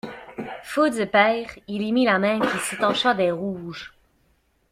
Fou de peur, il y mit la main, qui se tacha de rouge.